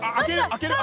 開ける？